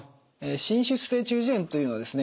滲出性中耳炎というのはですね